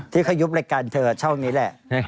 ที่เขายุบรายการเธอเท่านี้แหละ